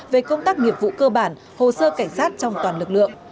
về công tác nghiệp vụ cơ bản hồ sơ cảnh sát trong toàn lực lượng